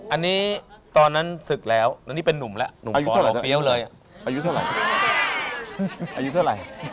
อันนี้ตอนนั้นศึกแล้วอันนี้เป็นนุ่มแล้วอายุเท่าไหร่อายุเท่าไหร่